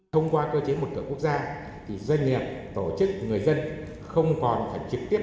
thông qua cơ chế một cửa quốc gia thì doanh nghiệp tổ chức người dân không còn phải trực tiếp